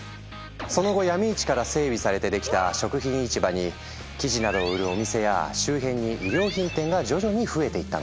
その後闇市から整備されてできた食品市場に生地などを売るお店や周辺に衣料品店が徐々に増えていったの。